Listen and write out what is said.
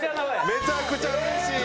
めちゃくちゃうれしい。